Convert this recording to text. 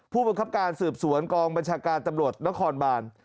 ผู้บังคับการสืบสวนกองบัญชาการตำรวจนครบาน